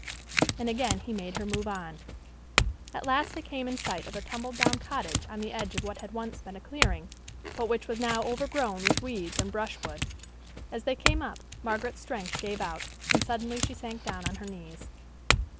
And again he made her move on. At last they came in sight of a tumbled down cottage on the edge of what had once been a clearing, but which was now overgrown with weeds and brushwood. As they came up, Margaret's strength gave out, and suddenly she sank down on her knees.